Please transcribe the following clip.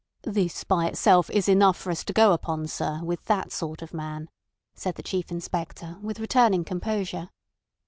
"This by itself is enough for us to go upon, sir, with that sort of man," said the Chief Inspector, with returning composure.